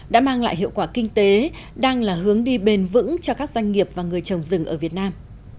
đã mang lại hiệu quả kinh tế đang là hướng đi bền vững cho các doanh nghiệp và người trồng rừng ở việt nam